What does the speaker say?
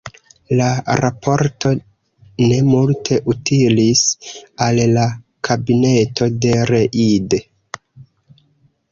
La raporto ne multe utilis al la kabineto de Reid.